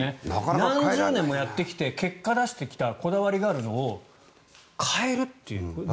何十年もやってきて結果を出してきたこだわりがあるのを変えるという。